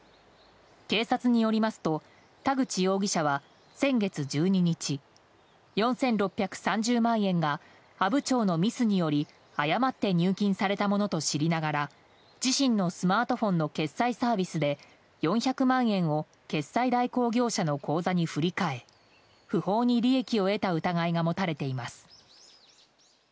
警察によりますと、田口容疑者は先月１２日４６３０万円が阿武町のミスにより誤って入金されたものと知りながら自身のスマートフォンの決済サービスで４００万円を決済代行業者の口座に振り替え不法に利益を得た疑いが持たれています。